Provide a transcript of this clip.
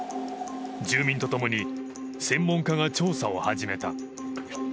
住民とともに専門家が調査を始めた。